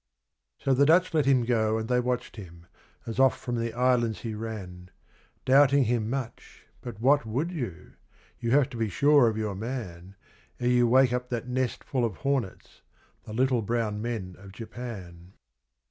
..... So the Dutch let him go, and they watched him, as off from the Islands he ran, Doubting him much, but what would you? You have to be sure of your man Ere you wake up that nest full of hornets the little brown men of Japan.